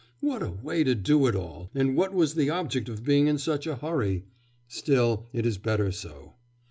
'What a way to do it all! and what was the object of being in such a hurry? Still, it is better so.